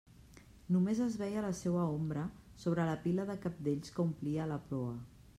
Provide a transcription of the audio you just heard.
Només es veia la seua ombra sobre la pila de cabdells que omplia la proa.